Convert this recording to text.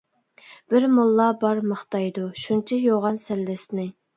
بىر موللا بار ماختايدۇ، شۇنچە يوغان سەللىسىنى.